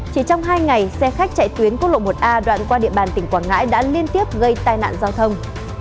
chỉ trong hai ngày xe khách chạy tuyến quốc lộ một a đoạn qua địa bàn tỉnh quảng ngãi đã liên tiếp gây tai nạn giao thông